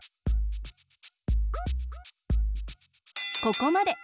ここまで！